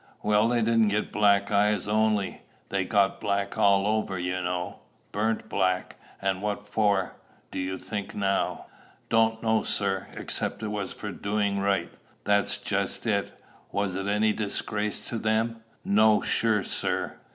"Well, they didn't get black eyes only, they got black all over, you know, burnt black; and what for, do you think, now?" "Don't know, sir, except it was for doing right." "That's just it. Was it any disgrace to them?" "No, sure, sir."